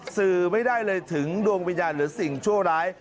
สื่อไม่ได้เลยถึงดวงวิญญาณหรือสิ่งชั่วร้าย